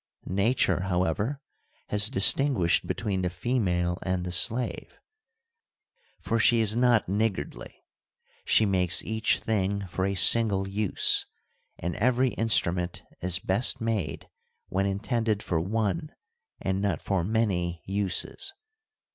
Nature, however, has distinguished between the female and the slave. For she is not niggardly ; she makes each thing for a single use, and every instrument is best made when intended for one and not for many uses.